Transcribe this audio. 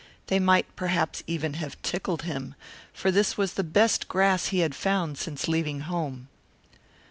They might perhaps even have tickled him, for this was the best grass he had found since leaving home.